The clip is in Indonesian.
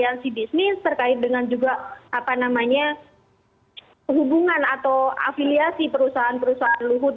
aliansi bisnis terkait dengan juga hubungan atau afiliasi perusahaan perusahaan luhut